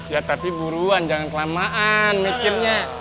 ya tapi buruan jangan kelamaan mikirnya